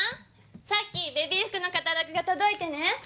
さっきベビー服のカタログが届いてね。